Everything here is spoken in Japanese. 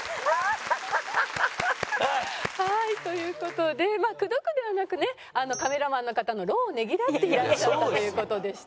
はいという事でまあ口説くではなくねカメラマンの方の労をねぎらっていらっしゃったという事でした。